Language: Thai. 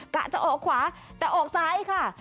กะจะออกขวาแต่ออกซ้ายค่ะ